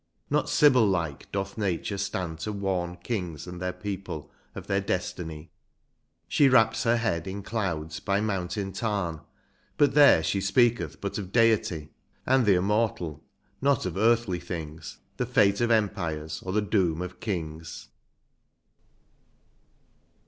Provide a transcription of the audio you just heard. Not Sybil like doth Nature stand to warn Kings and their people of their destiny ; She wraps her head in clouds by mountain tarn, But there she speaketh but of Deity, And the immortal, not of earthly things — The fate of empires, or the doom of kings.